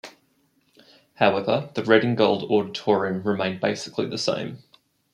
However, the red and gold auditorium remained basically the same.